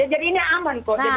jadi ini aman kok